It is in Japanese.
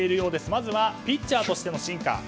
まずは、ピッチャーとしての進化。